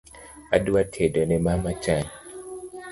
Adwa tedo ne mama chai